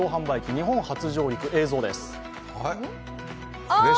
日本初上陸、映像です。